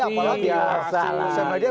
apalagi di sosial media